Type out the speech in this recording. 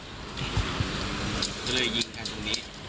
ก็เลยยิงกันตรงนี้